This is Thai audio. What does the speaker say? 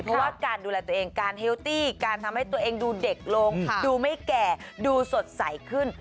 เพราะว่าการดูแลตัวเองการเฮลตี้การทำให้ตัวเองดูเด็กลงดูไม่แก่ดูสดใสขึ้น